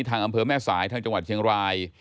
อำเภอแม่สายทางจังหวัดเชียงราย